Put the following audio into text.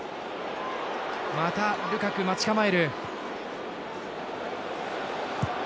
またルカク、待ち構える。